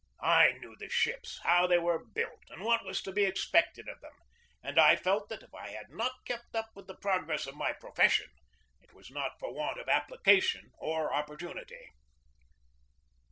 I knew the ships, how they were built, and what was to be ex pected of them, and I felt that if I had not kept up with the progress of my profession it was not for want of application or opportunity.